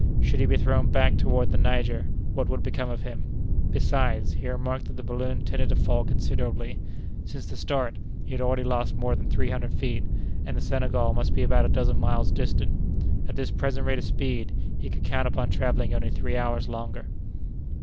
Should he be thrown back toward the Niger, what would become of him? Besides, he remarked that the balloon tended to fall considerably. Since the start, he had already lost more than three hundred feet, and the Senegal must be about a dozen miles distant. At his present rate of speed, he could count upon travelling only three hours longer.